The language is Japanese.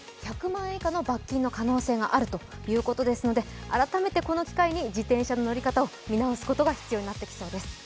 １００万円以下の罰金の可能性があるということですので改めてこの機会に自転車の乗り方を見直す必要がありそうです。